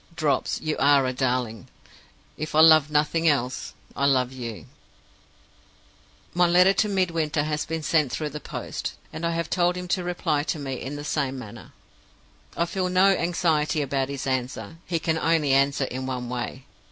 'Drops,' you are a darling! If I love nothing else, I love you. "My letter to Midwinter has been sent through the post; and I have told him to reply to me in the same manner. "I feel no anxiety about his answer he can only answer in one way.